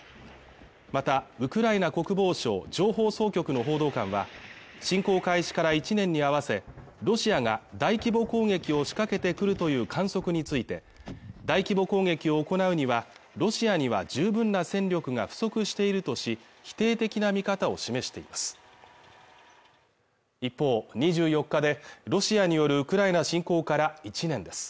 またウクライナ国防省情報総局の報道官は侵攻開始から１年に合わせロシアが大規模攻撃を仕掛けてくるという観測について大規模攻撃を行うにはロシアには十分な戦力が不足しているとし否定的な見方を示しています一方２４日でロシアによるウクライナ侵攻から１年です